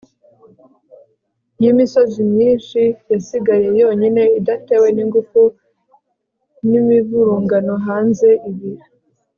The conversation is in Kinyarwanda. y'imisozi myinshi yasigaye yonyine, idatewe n'ingufu z'imivurungano hanze. ibi